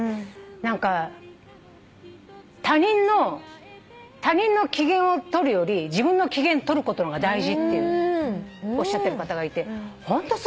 何か他人の機嫌を取るより自分の機嫌取ることの方が大事っておっしゃってる方がいてホントそうだなと。